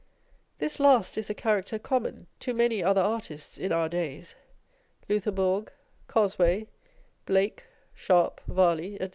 This last is a character common to many other artists in our days Loutherbourg, Cosway, Blake, Sharp, Varley, &c.